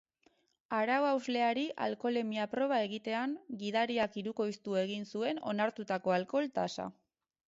Arau-hausleari alkoholemia-proba egitean, gidariak hirukoiztu egin zuen onartutako alkohol-tasa.